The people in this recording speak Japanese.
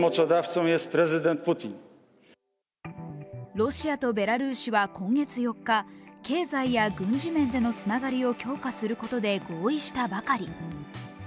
ロシアとベラルーシは今月４日、経済や軍事面でのつながりを強化することで合意したばかり。